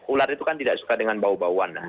ular itu kan tidak suka dengan bau bauan